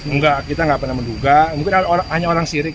enggak kita nggak pernah menduga mungkin hanya orang sirik